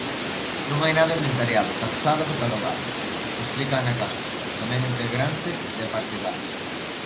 Non hai nada inventariado, taxado e catalogado, explica Ana Castro, tamén integrante de Apatrigal.